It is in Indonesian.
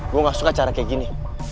gue gak suka cara kayak gini